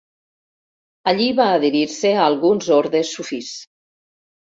Allí va adherir-se a alguns ordes sufís.